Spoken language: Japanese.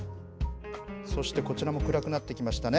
そしてこちらも暗くなってきましたね。